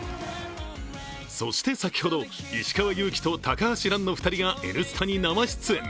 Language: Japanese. そして先ほど、石川祐希と高橋藍の２人が「Ｎスタ」に生出演。